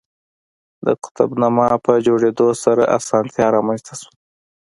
د قطب نما په جوړېدو سره اسانتیا رامنځته شوه.